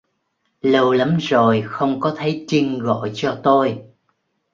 Lâu lắm rồi không có thấy chinh gọi cho tôi